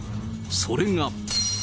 それが。